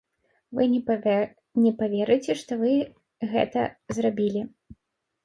Вы не паверыце, што вы гэта зрабілі!